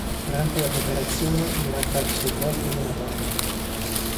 Durante la preparazione gli era apparso il volto di una donna.